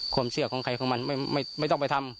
ความเชื่อของใครของมันไม่ต้องไปทำ